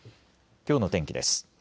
きょうの天気です。